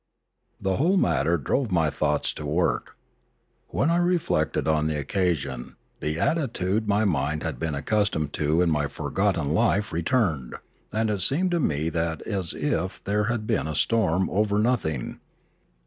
The whole matter drove my thoughts to work. When I reflected on the occasion, the attitude my mind had been accustomed to in my forgotten life returned, and it seemed to me as if there had been a storm over no thing.